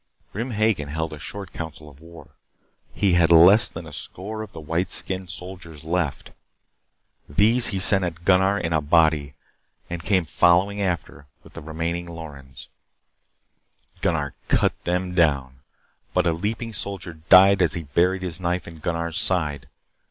Grim Hagen held a short council of war. He had less than a score of the white skinned soldiers left. These he sent at Gunnar in a body, and came following after with the remaining Lorens. Gunnar cut them down, but a leaping soldier died as he buried his knife in Gunnar's side.